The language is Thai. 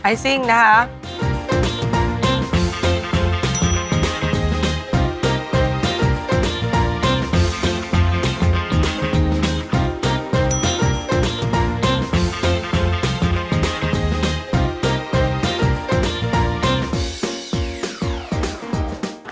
ไอซิ่งนะฮะ